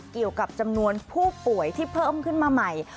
เกี่ยวกับจำนวนผู้ป่วยที่เพิ่มขึ้นมาใหม่